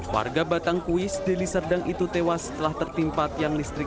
warga batangkuis deli serdang itu tewas setelah tertimpa tiang listrik